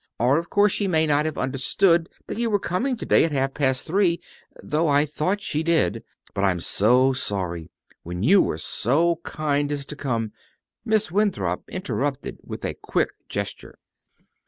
Or, of course, she may not have understood that you were coming to day at half past three though I thought she did. But I'm so sorry when you were so kind as to come " Miss Winthrop interrupted with a quick gesture.